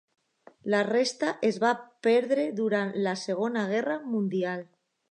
La resta es va perdre durant la Segona Guerra Mundial.